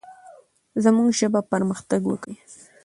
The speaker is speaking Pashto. زموږ ژبه پرمختګ وکړي.